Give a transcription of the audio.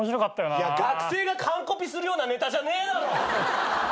学生が完コピするようなネタじゃねえだろ！